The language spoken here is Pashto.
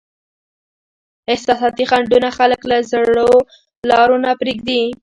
احساساتي خنډونه خلک له زړو لارو نه پرېږدي.